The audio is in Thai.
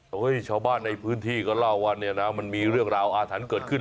ชาวบ้านในพื้นที่ก็เล่าว่าเนี่ยนะมันมีเรื่องราวอาถรรพ์เกิดขึ้น